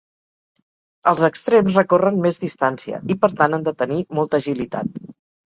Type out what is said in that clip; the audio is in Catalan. Els extrems recorren més distància i, per tant, han de tenir molta agilitat.